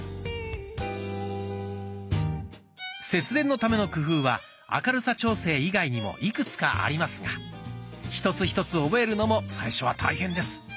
節電のための工夫は明るさ調整以外にもいくつかありますが一つ一つ覚えるのも最初は大変です。